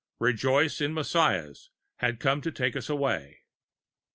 Rejoice in Messias had come to take us away.